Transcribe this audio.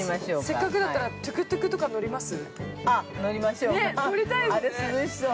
◆せっかくだったらトゥクトゥクとか乗ります？